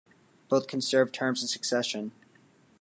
Both can serve terms in succession.